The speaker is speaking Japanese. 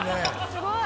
「すごい！」